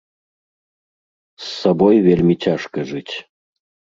З сабой вельмі цяжка жыць.